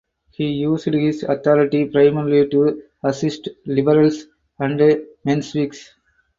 He used his authority primarily to assist liberals and Mensheviks.